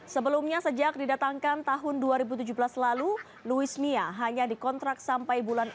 sebelumnya sejak didatangkan tahun dua ribu tujuh belas lalu luis mia hanya dikontrak sampai bulan